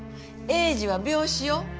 栄治は病死よ。